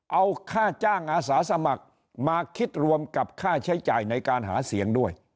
เอาค่าจ้างอาสาสมัครมาคิดรวมกับค่าใช้จ่ายในการหาเสียงด้วย